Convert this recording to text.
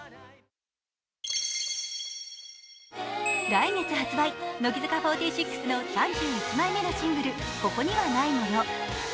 来月発売、乃木坂４６の３１枚目のシングル「ここにはないもの」。